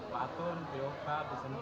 pak atun diubah disemprot